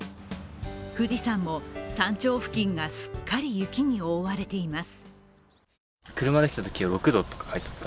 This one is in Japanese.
富士山も山頂付近がすっかり雪に覆われています。